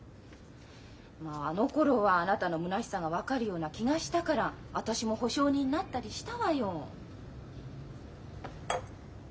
まああのころはあなたのむなしさが分かるような気がしたから私も保証人になったりしたわよ。